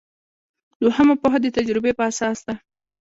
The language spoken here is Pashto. دوهمه پوهه د تجربې په اساس ده.